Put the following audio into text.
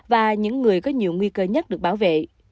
và những người có nhiều nguy cơ nhất được bảo vệ